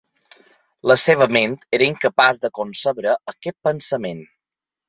La seva ment era incapaç de concebre aquest pensament.